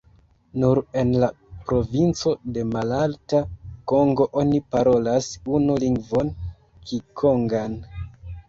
Nur en la provinco de Malalta Kongo oni parolas unu lingvon, kikongan.